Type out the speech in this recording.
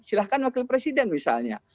silahkan wakil presiden misalnya